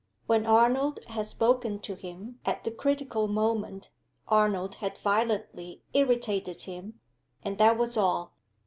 When Arnold had spoken to him at the critical moment, Arnold had violently irritated him; and that was all.